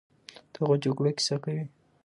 د هغو جګړو کیسه کوي،